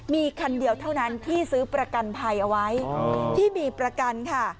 มีคันเดียวเท่านั้นที่ซื้อประกันภัยเอาไว้ที่มีประกันค่ะ